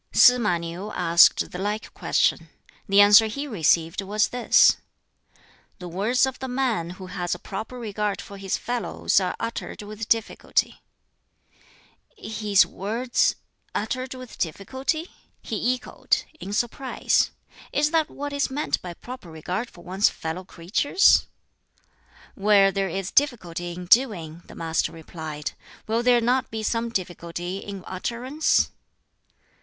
Sz ma Niu asked the like question. The answer he received was this: "The words of the man who has a proper regard for his fellows are uttered with difficulty." "'His words uttered with difficulty?'" he echoed, in surprise. "Is that what is meant by proper regard for one's fellow creatures?" "Where there is difficulty in doing," the Master replied, "will there not be some difficulty in utterance?"